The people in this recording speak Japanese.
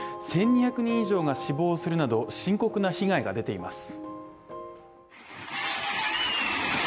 １２００人以上が死亡するなど深刻な被害が出ています。